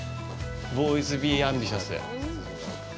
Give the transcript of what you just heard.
ボーイズ・ビー・アンビシャス。